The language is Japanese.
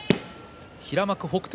平幕北勝